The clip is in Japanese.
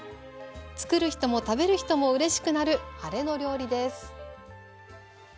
作る人も食べる人もうれしくなるハレの料理です。